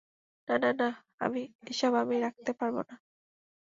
না, না, না, এসব আমি রাখতে পারবো না।